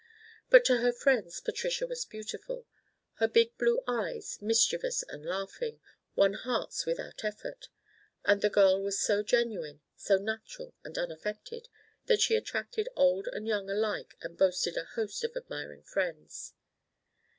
But to her friends Patricia was beautiful. Her big blue eyes, mischievous and laughing, won hearts without effort, and the girl was so genuine—so natural and unaffected—that she attracted old and young alike and boasted a host of admiring friends.